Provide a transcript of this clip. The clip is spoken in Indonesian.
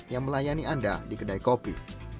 yang melayani anda di kedai kopi